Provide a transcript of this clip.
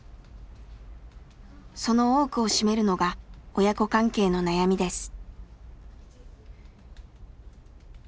その多くを占めるのが親子関係の悩みです。